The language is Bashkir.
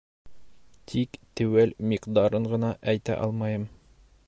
Тик теүәл миҡдарын ғына әйтә алмайым.